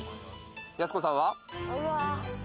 やす子さんは？